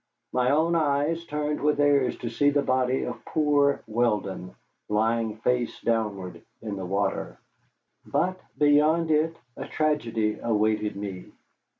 My own eyes turned with theirs to see the body of poor Weldon lying face downward in the water. But beyond it a tragedy awaited me.